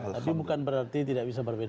tapi bukan berarti tidak bisa berbeda